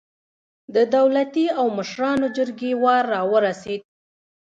د دولتي او مشرانو جرګې وار راورسېد.